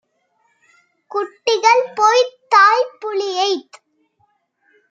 குட்டிகள்போய்த் தாய்ப்புலியைத்